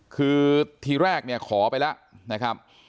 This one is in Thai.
คือทีแรกเนี่ยขอไปแล้วนะครับ